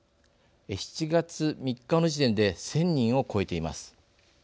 ７月３日の時点で１０００人を超えています。